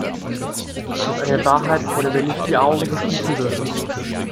Das ist eine Wahrheit, vor der wir nicht die Augen verschließen dürfen.